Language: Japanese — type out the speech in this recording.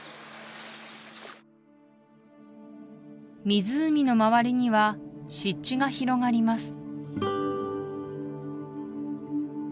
湖の周りには湿地が広がります